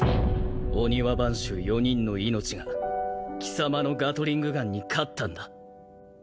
御庭番衆４人の命が貴様のガトリングガンに勝ったんだ。